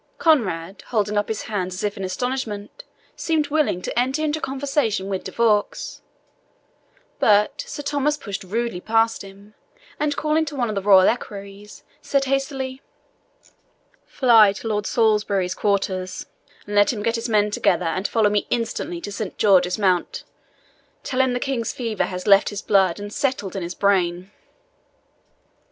Conrade, holding up his hands as if in astonishment, seemed willing to enter into conversation with De Vaux; but Sir Thomas pushed rudely past him, and calling to one of the royal equerries, said hastily, "Fly to Lord Salisbury's quarters, and let him get his men together and follow me instantly to Saint George's Mount. Tell him the King's fever has left his blood and settled in his brain."